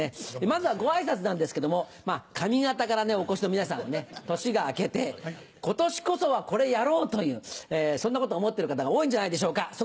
まずはご挨拶なんですけども上方からお越しの皆さんはね年が明けて今年こそはこれやろうというそんなことを思ってる方が多いんじゃないでしょうか。